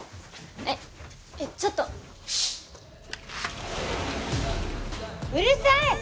えっえっちょっとうるさい！